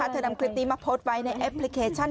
เธอนำคลิปนี้มาโพสต์ไว้ในแอปพลิเคชัน